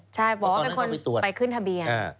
ใช่บอกว่าเป็นคนไปขึ้นทะเบียน